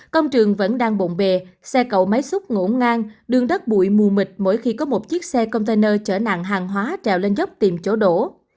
công trường vẫn đang bộn bề xe cậu máy xúc ngỗ ngang đường đất bụi mù mịt mỗi khi có một chiếc xe container chở nặng hàng hóa trèo lên dốc tìm chỗ đổ